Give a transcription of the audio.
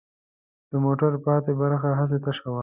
د موټر پاتې برخه هسې تشه وه.